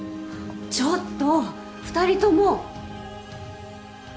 ちょっと２人とも。